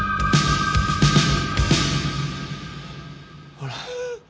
ほら。